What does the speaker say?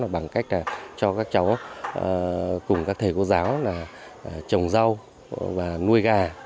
bằng cách cho các cháu cùng các thầy cô giáo trồng rau và nuôi gà